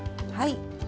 はい。